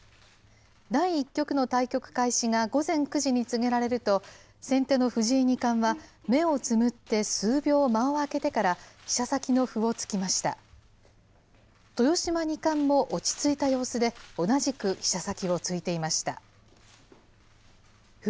第１局の対局開始が午前９時に告げられると、先手の藤井二冠は、目をつむって数秒間をあけてから、飛車先の歩を突きました。